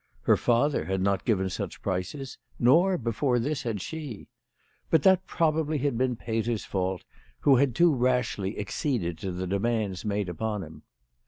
Her father had not given such prices, nor, before this, had she. But that probably had been Peter's fault, who had too rashly acceded to the demands made upon him.